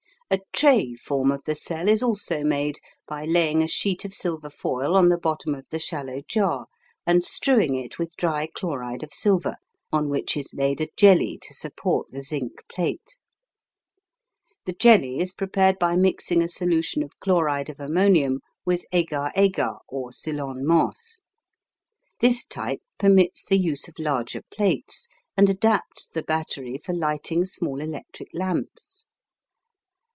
A tray form of the cell is also made by laying a sheet of silver foil on the bottom of the shallow jar, and strewing it with dry chloride of silver, on which is laid a jelly to support the zinc plate. The jelly is prepared by mixing a solution of chloride of ammonium with "agar agar," or Ceylon moss. This type permits the use of larger plates, and adapts the battery for lighting small electric lamps.